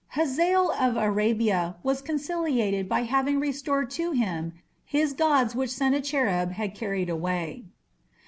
Hazael of Arabia was conciliated by having restored to him his gods which Sennacherib had carried away.